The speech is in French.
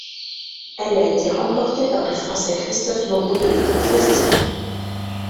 Elle a été remportée par le Français Christophe Moreau de l'équipe Festina.